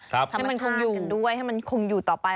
ธรรมชาติกันด้วยให้มันคงอยู่ต่อไป